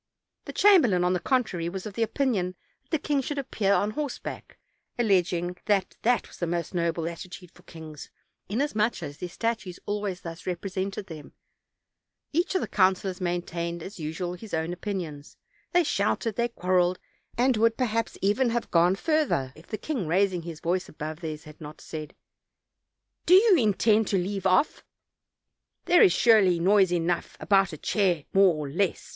The chamberlain, on the contrary, was of opinion that the king should appear on horseback, alleging that that was the most noble attitude for kings, inasmuch as their statues always thus represented them; each of the coun cilors maintained as usual his own opinions; they shouted, they quarreled, and would perhaps even have gone further, if the king, raising his voice above theirs, had not said: ''Do you intend to leave off? There ia surely noise enough about a chair more or less!